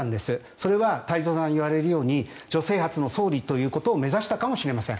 それは太蔵さんが言われるように女性初の総理ということを目指したかもしれません。